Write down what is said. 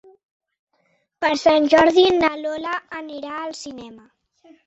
Per Sant Jordi na Lola anirà al cinema.